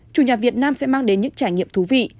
chủ nhà việt nam sẽ mang đến những trải nghiệm thú vị